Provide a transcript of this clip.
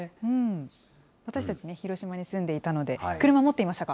私たちね、広島に住んでいたので、車、持っていましたか？